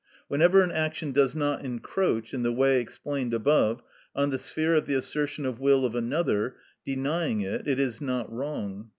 Whenever an action does not encroach, in the way explained above, on the sphere of the assertion of will of another, denying it, it is not wrong.